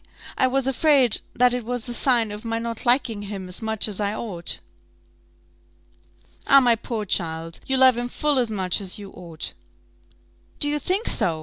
I was afraid that it was a sign of my not liking him as much as I ought." "Ah, my poor child! you love him full as much as you ought." "Do you think so?